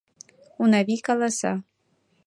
— Унавий каласа.